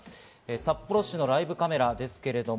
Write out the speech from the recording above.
札幌市のカメラですけれども。